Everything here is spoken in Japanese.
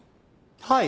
はい。